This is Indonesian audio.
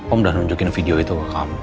om udah nunjukin video itu ke kamu